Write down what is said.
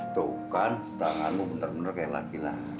tuh kan tanganmu bener bener kayak laki lah